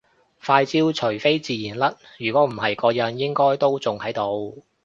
塊焦除非自然甩如果唔係個印應該都仲喺度